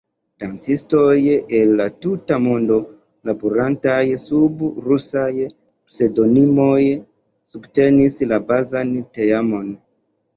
Dancistoj el la tuta mondo laborantaj sub rusaj pseŭdonimoj subtenis la bazan teamon.